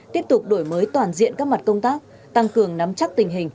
tiếp tục đổi mới toàn diện các mặt công tác tăng cường nắm chắc tình hình